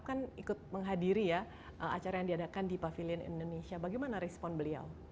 kan ikut menghadiri ya acara yang diadakan di pavilion indonesia bagaimana respon beliau